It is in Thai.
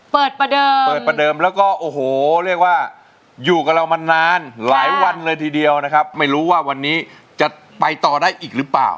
เปิดประเดิมเปิดประเดิมแล้วก็โอ้โหเรียกว่าอยู่กับเรามานานหลายวันเลยทีเดียวนะครับไม่รู้ว่าวันนี้จะไปต่อได้อีกหรือเปล่า